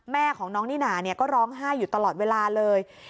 แม่ของน้องนิน่าก็ร้องไห้อยู่ตลอดเวลาเลย